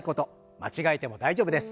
間違えても大丈夫です。